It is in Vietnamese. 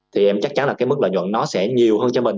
thì em chắc chắn là cái mức lợi nhuận nó sẽ nhiều hơn cho mình